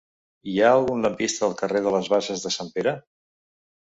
Hi ha algun lampista al carrer de les Basses de Sant Pere?